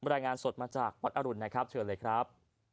รายงานสดมาจากวัดอรุณนะครับเชิญเลยครับ